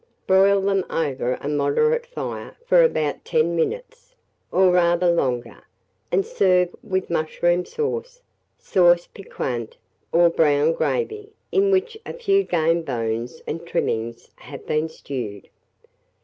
Broil them over a moderate fire for about 10 minutes, or rather longer, and serve with mushroom sauce, sauce piquante, or brown gravy, in which a few game bones and trimmings have been stewed.